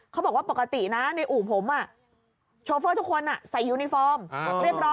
เขาบอกว่าปกตินะในอู่ผมโชเฟอร์ทุกคนใส่ยูนิฟอร์มเรียบร้อย